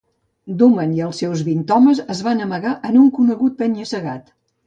Dumand i els seus vint homes es van amagar en un conegut penya-segat.